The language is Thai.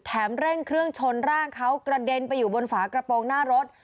เร่งเครื่องชนร่างเขากระเด็นไปอยู่บนฝากระโปรงหน้ารถ